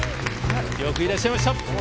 よくいらっしゃいました。